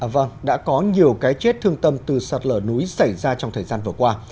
vâng đã có nhiều cái chết thương tâm từ sạt lở núi xảy ra trong thời gian vừa qua